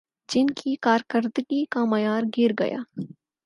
جن کی کارکردگی کا معیار گرگیا